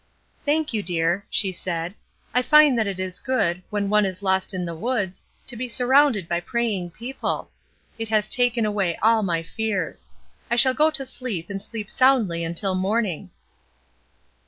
'' Thank you, dear," she said. '* I find that it is good, when one is lost in the woods, to be sur rounded by praying people ; it has taken away all my fears. I shall go to sleep and sleep soundly imtil morning."